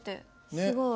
すごい。